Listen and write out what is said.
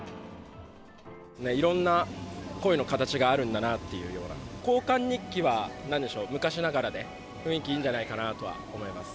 いろんな恋の形があるんだなっていうような、交換日記は、なんでしょう、昔ながらで、雰囲気いいんじゃないかなとは思います。